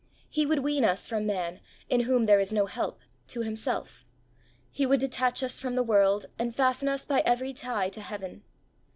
He would wean us from man, in whom there is no help, to Himself; He would detach us from the world and IN god's school. 71 fasten us by every tie to Heaven.